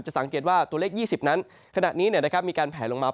สังเกตว่าตัวเลข๒๐นั้นขณะนี้มีการแผลลงมา